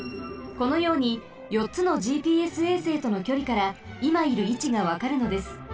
このようによっつのＧＰＳ衛星とのきょりからいまいるいちがわかるのです。